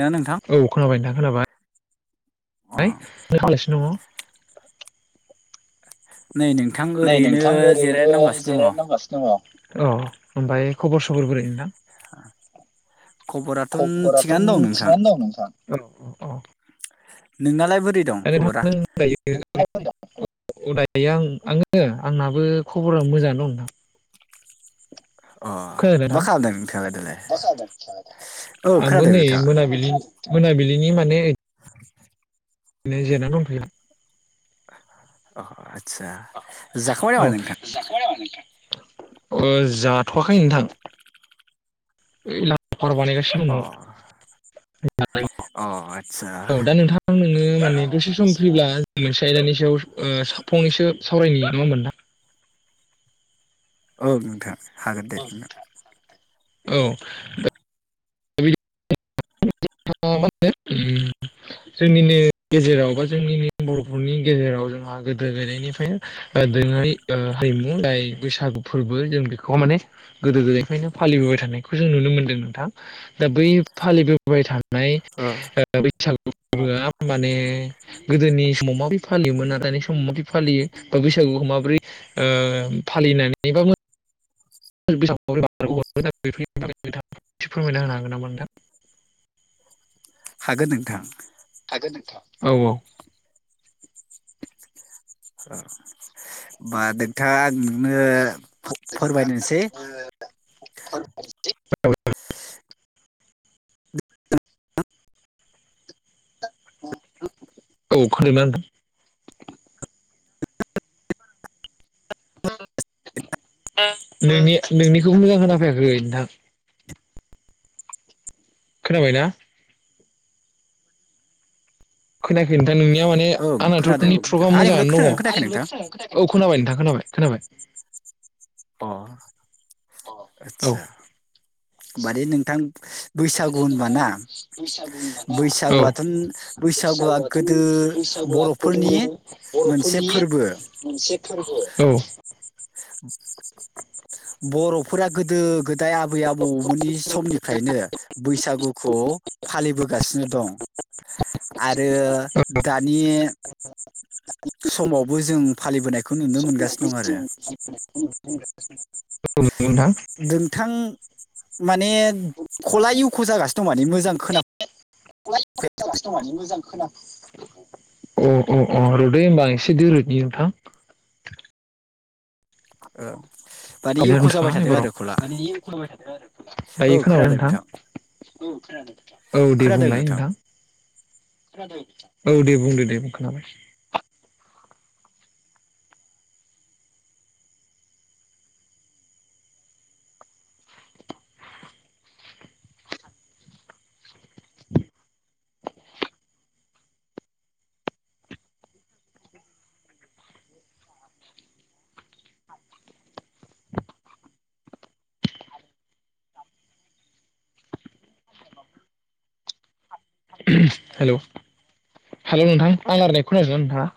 ना नोंथां औ खोनाबाय नोंथां खोनाबाय अ ह प्रसनम [unintelligible] नै नोंथां नै ओरैनो नोंथां ओरैनो जिरायना दंगासिनो दङ जिरायनो दंगासिनो दङ औ ओमफ्राय खबर सबर बोरै नोंथां खबराथ' थिगानो खबराथन दं नोंथां थिगानो दं नोंथां औ औ औ नोंनालाय बोर ओरै थां दायो [inaudible] उदायखायो आं आङो आंनाबो खबरा मोजांङै दं नोंथां अ खोनादों ना मा खालामदों नोंथाङा दालाय औ खोनादों खोनादों‌ औ आंबो खोनादों नै नोंथाङा मोनाबिलि मोनाबिलिनि माने नै जिरायना दंफैयो आ अ आदसा जाखांबाय नामा औ नोंथां [inaudible] ओ जाथवाखै नोंथां ए [inaudible] हर अ बानायगासिनो दङ अ आदसा औ दा नोंथां नोङो [unintelligible] माने दसे सम फैब्ला जों मोनसे आयदानि सायाव ओ साव फंनैसो सावरायनि नंङा होमबा नोंथां औ नोंथां हागोन दे अ नोंथां औ ओ माने [inaudible] जोंनिनो गेजेराव बा जोंनि बरफोरनि गेजेराव जोंहा गोदो गोदायनिफ्राय ओ दोरोंङारि ओ हारिमु जाय बैसागु फोरबो जों बेखौ माने गोदो गोदायनिफ्रायनो फालिबोबाय थानाय खौ जों नुनो मोनदों नोंथां दा बै फालिबोबाय थानाय औ ओ बैसागु आ माने गोदोनि समाव माबि फालियोमोन आर दानि समाव माबि फालियो बा बैसाग बैसागुखौ माबोरै ओ फालिनानै बाबो लांदां बेफोर फोरमायना होनो हागोन नामा नोंथां [inaudible] हागोन नोंथां हागोन नोंथां औ औ ओ होमबा नोंथाङा आं नोंनो फोरमायनोसै [inaudible] लांदां औ खोनादोंना नोंथां नोंनि नोंनिखौबो मोजां खोना फैयाखै नोंथां खोनाबाय ना खोनायाखै नोंथां नोंनिया माने ओं आंनाथ खोनादों नोंथां। नेथ्रकआ आंनिखौलाय मोजाङानो खोनादोंना दंङ खोनायाखै आंनिखौलाइ नोंथां खोनादोंना खोनायाखै औ खोनाबाय नोंथां खोनाबाय खोनाबाय अ औ आदसा माने नोंथां बैसागु माने नोंथां होनबाना बैसागु होनबा ना औ बैसागुआथन बैसागुआ बैसागुआथ' गोदो बैसागुआ गोदो बरफोरनि मोनसे बर'फोरनि फोरबो मोनसे फोरबो औ लांदां बर'फोरा गोदो। गोदाय आबै आबौमोननि समनिफ्रायनो बैसागुखौ फालिबोगासिनो दं। आरो दानि। समावबो जों फालिबोनायखौ नुनो समावबो मोनगासिनो दं आरो। जों औ। नोंथां। नोंथां माने खला इउख' जागासिनो दं माने मोजां। मोजां खोन।। जागासिनो दं मानि मोजां खोना। अ अ अ रदै होनोमबा एसे द रोदनि नोंथां। ओ नोंथाङा एबाराव [unintelligible] औ दायो खोनाबाय खोनादों नोंथां। औ दे खोनादों बुंलाय नोंथां नोंथां। औ दे बुंदो दे बुं खोनाबाय। हेलौ हेलौ नोंथां आं रायनाय खोनादोंना नोंथाङा?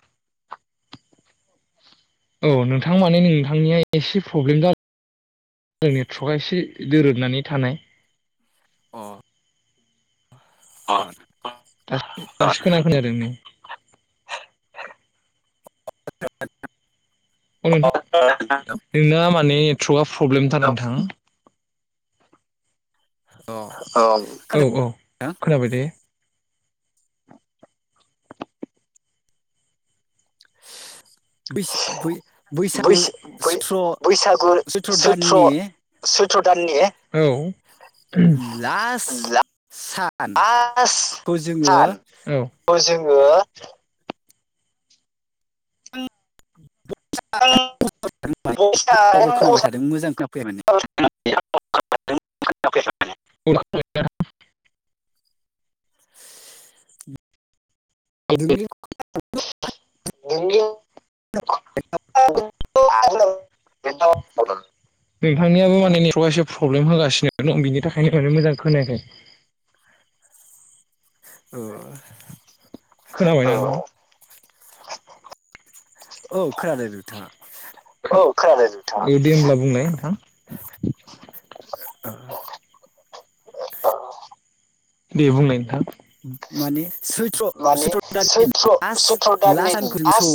औ नोंथां माने नोंथांनिया एसे प्रब्लेम जा दों नेट्रकआ एसे दोरोदनानै थानाय। अ। अ दासो [unintelligible] नै। [unintelligible] [unintelligible] नोंना माने नेथ्रकआ प्रब्लेमथार नोंथां। अ औ औ औ खोनाबाय दे। [inaudible] बिस-बै बैसागु बैसो बै सथ्र' बैसागु सुथ्र' दाननि थ्र दाननि औ। लास आस जोङो सान औ जोङो। डाबल खोनाबाय थादों मोजां खोनाफैया माने [unintelligible] [unintelligible] दुं [unintelligible] [unintelligible] बेथ [unintelligible] नोंथांनियाबो माने नेट्रका एसे प्रब्लेम होगासिनो दं बिनि थाखायनो माने मोजां खोनायाखै। [inaudible] ओ खोनाबाय औ। औ खोनादों नोंथाङा? औ खोनाबाय नोंथां। दे दे होनब्ला बुंनाय नोंथां। [inaudible] दे बुंलाय नोंथां। माने सैत्र माने सैत्र दाननि सैथ्र' लास सैथ्र' लास दाननि सानखौ मोसौ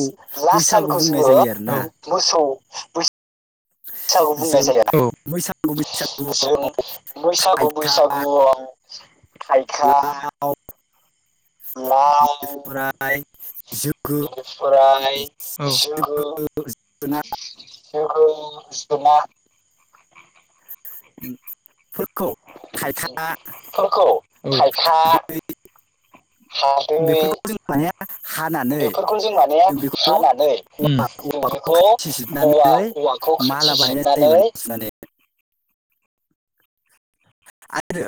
बैसागु बुंनाय जायो आरो। औ मोसौ बै सागु बुंनाय जों जायो, ओ। बैसागु बैसागुआव जों बैसागु थाइखा बैसागुआव थायखा, लाव लाव, ओमफ्राय जोगो बिनिफ्राय सिगु सिगु स्थमा फोरखौ खायथा। थायखा, [inaudible] बेफोरखौ जों माने हानानै बेफोरखौ जों माने हानानै औवा जों बेखौ खाथि औवा जिरनानै औवाखौ खाथि माला बानायनाय जायो जिरनानै माने सुनानै। आरो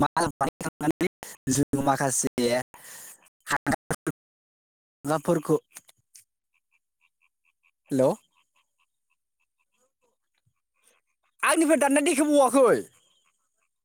माला बानायखांनानै जों माखासे [unintelligible] [unintelligible] फोरखौ हेलौ। आंनिफ्राय दाननाय देखाय बावाखै।